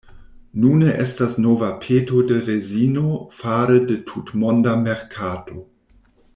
Nune estas nova peto de rezino fare de tutmonda merkato.